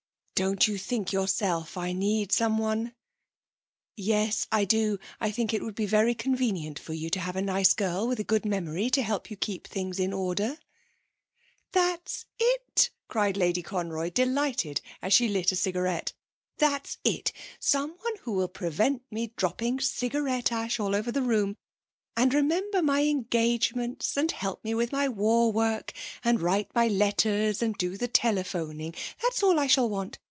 'Don't you think yourself I need someone?' 'Yes, I do. I think it would be very convenient for you to have a nice girl with a good memory to keep your things in order.' 'That's it,' cried Lady Conroy, delighted, as she lit a cigarette. 'That's it someone who will prevent me dropping cigarette ash all over the room and remember my engagements and help me with my war work and write my letters and do the telephoning. That's all I shall want.